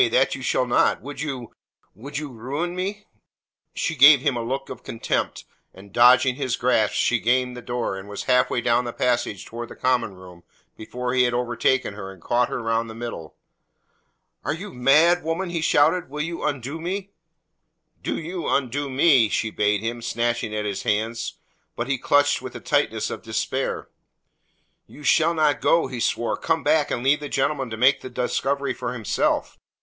That you shall not. Would you would you ruin me?" She gave him a look of contempt, and dodging his grasp she gained the door and was half way down the passage towards the common room before he had overtaken her and caught her round the middle. "Are you mad, woman?" he shouted. "Will you undo me?" "Do you undo me," she bade him, snatching at his hands. But he clutched with the tightness of despair. "You shall not go," he swore. "Come back and leave the gentleman to make the discovery for himself.